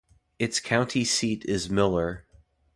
Its county seat is Miller.